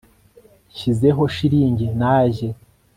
nshyizeho shiringi najye